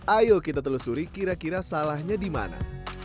ayo kita telusuri kira kira salahnya di mana